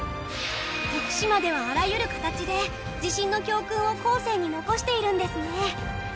徳島ではあらゆる形で地震教訓を後世に残しているんですね。